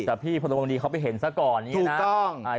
แต่พี่พระองค์ที่เขาไปเห็นซักก่อนนี้นะนะสมตมด์ถูกต้อง